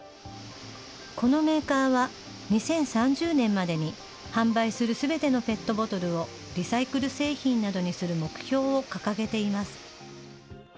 このメーカーは、２０３０年までに販売するすべてのペットボトルを、リサイクル製品などにする目標を掲げています。